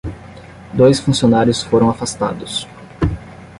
Dois funcionários foram afastados